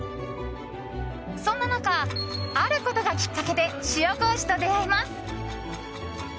そんな中、あることがきっかけで塩麹と出合います。